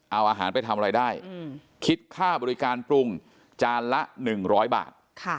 เอาอาหารไปทำอะไรได้คิดค่าบริการปรุงจานละ๑๐๐บาท